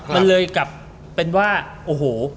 มันเลยกลับเป็นว่าโอ้โห